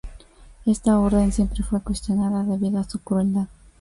Esta orden siempre fue cuestionada, debido a su crueldad.